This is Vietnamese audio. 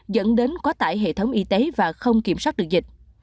dẫn đến quá tải hệ thống y tế và không kiểm soát được dịch